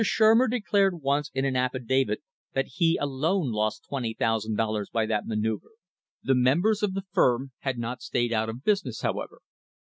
Shurmer declared once in an affidavit that he alone lost $20,000 by that manoeuvre. The members of the firm had not stayed out of business, however.